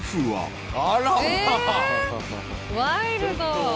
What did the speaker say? ワイルド。